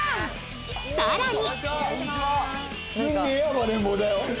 更に